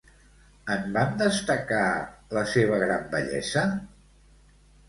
En van destacar la seva gran bellesa?